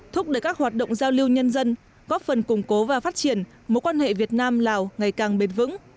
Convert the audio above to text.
thúc đẩy các hoạt động giao lưu nhân dân góp phần củng cố và phát triển mối quan hệ việt nam lào ngày càng bền vững